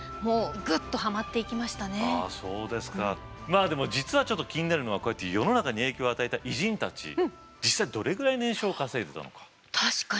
まあでも実はちょっと気になるのはこうやって世の中に影響を与えた偉人たち実際どれぐらい年収を稼いでたのか。